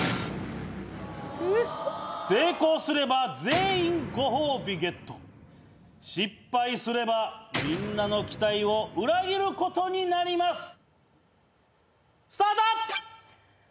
成功すれば全員ご褒美ゲット失敗すればみんなの期待を裏切ることになりますスタート！